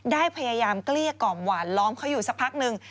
ได้พยายามเกลี้ยกล่อมหวานล้อมเขาอยู่สักพักหนึ่ง